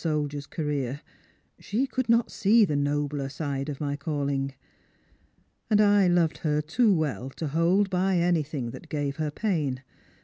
jOidier's career. She could not ace the nobler side of my calli..^. And I loved her too well to hoM by anything that gave her pain.